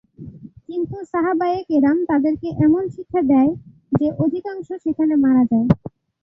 কিন্তু সাহাবায়ে কেরাম তাদেরকে এমন শিক্ষা দেয় যে, অধিকাংশই সেখানে মারা যায়।